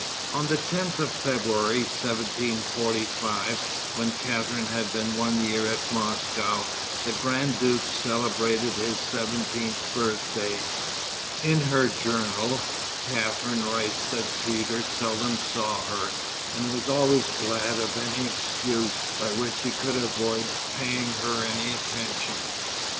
On the 10th of February, 1745, when Catharine had been one year at Moscow, the grand duke celebrated his seventeenth birthday. In her journal Catharine writes that Peter seldom saw her, and was always glad of any excuse by which he could avoid paying her any attention.